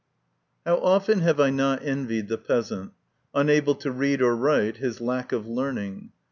XV. How often have I not envied the peasant, unable to read or write, his lack of learning.